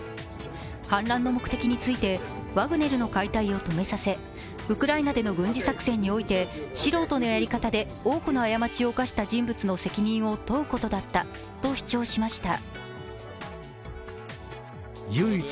反乱の目的について、ワグネルの解体を止めさせウクライナでの軍事作戦において素人のやり方で多くの過ちを犯した人物の責任を問うことだったと主張しました。